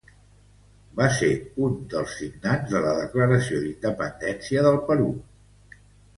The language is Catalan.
Va ser un dels signants de la Declaració d'Independència del Perú.